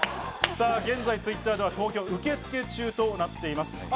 現在、Ｔｗｉｔｔｅｒでは投票受け付け中となっています。